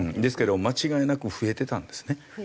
ですけど間違いなく増えてたんですね。